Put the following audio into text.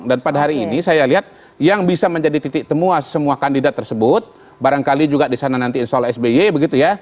dan pada hari ini saya lihat yang bisa menjadi titik temuah semua kandidat tersebut barangkali juga disana nanti install sby begitu ya